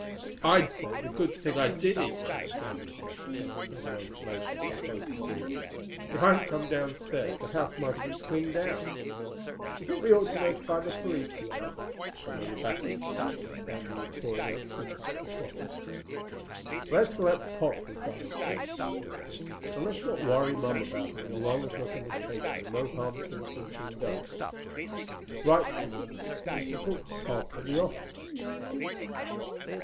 "I'd say it's a good thing I did eat cheese sandwiches," Ken said a moment later, as they closed the door. "If I hadn't come downstairs the house might have been cleaned out. Do you think we ought to notify the police?" he asked, when they were back in the kitchen and Sandy was pouring out two cups of coffee. "Let's let Pop decide," Sandy suggested. "And let's not worry Mom about it as long as nothing was taken and no harm seems to have been done." "Right," Ken agreed. "We can talk to Pop at the office."